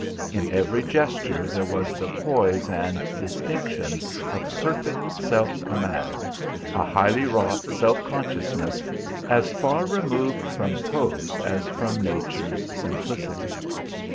In every gesture there was the poise and distinction of perfect self command, a highly wrought self consciousness, as far removed from pose as from Nature's simplicity.